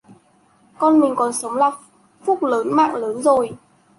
Con mình còn sống là phúc lớn mạng lớn rồi